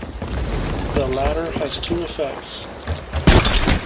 The latter has two effects.